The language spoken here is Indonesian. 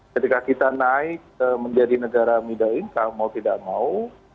ketika kita naik menjadi negara middle income mau tidak mau